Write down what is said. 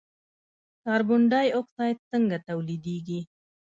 کاربن ډای اکساید څنګه تولیدیږي.